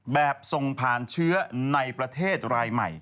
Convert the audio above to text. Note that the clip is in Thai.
แบบส่งผ่านเชื้อในประเทศรายใหม่